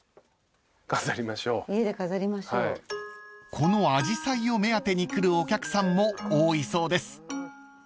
［このアジサイを目当てに来るお客さんも多いそうです］